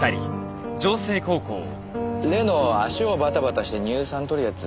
例の足をバタバタして乳酸とるやつ